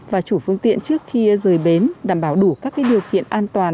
và chủ phương tiện trước khi rời bến đảm bảo đủ các điều kiện an toàn